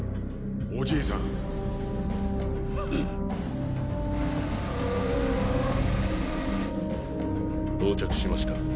おじいさん到着しました。